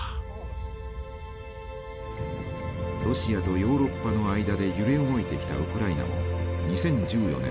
ロシアとヨーロッパの間で揺れ動いてきたウクライナも２０１４年